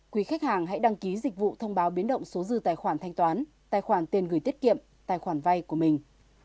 quý khách hàng hãy đăng ký dịch vụ thông báo biến động số dư tài khoản thanh toán tài khoản tiền gửi tiết kiệm tài khoản vay của mình